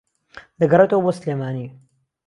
دەگەڕێتەوە بۆ سلێمانی